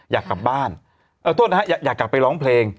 สีวิต้ากับคุณกรนิดหนึ่งดีกว่านะครับแฟนแห่เชียร์หลังเห็นภาพ